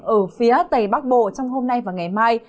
ở phía tây bắc bộ trong hôm nay và ngày mai